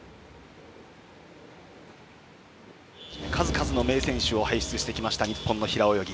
数々の名選手を輩出してきました日本の平泳ぎ。